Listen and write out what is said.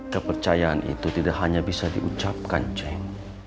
kepercayaan itu tidak hanya bisa di ucapkan cem